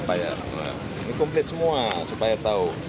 ini komplit semua supaya tahu